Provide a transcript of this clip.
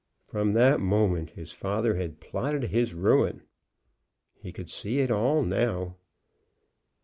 From that moment his father had plotted his ruin. He could see it all now.